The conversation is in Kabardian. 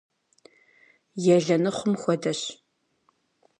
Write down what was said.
Елэныхъум хуэдэщ.